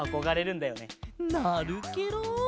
なるケロ！